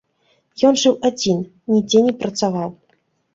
Ён жыў адзін, нідзе не працаваў.